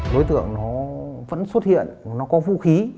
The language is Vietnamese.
đối tượng nó vẫn xuất hiện nó có vũ khí